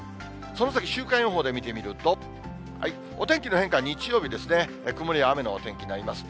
その先、週間予報で見てみると、お天気の変化、日曜日ですね、曇りや雨のお天気になります。